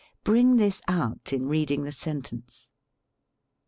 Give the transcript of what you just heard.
Bring this out in reading the sentence.